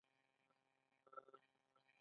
ایا زه باید له ډوډۍ وروسته ویده شم؟